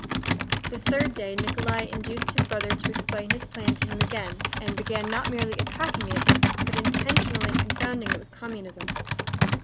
The third day Nikolay induced his brother to explain his plan to him again, and began not merely attacking it, but intentionally confounding it with communism.